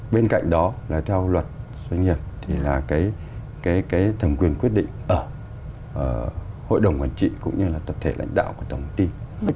bên cạnh đó là theo luật doanh nghiệp thì là cái thẩm quyền quyết định ở hội đồng quản trị cũng như là tập thể lãnh đạo của tổng công ty